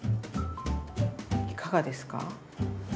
いかがですか？